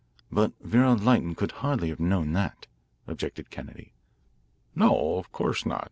"But Vera Lytton could hardly have known that," objected Kennedy. "No, of course not.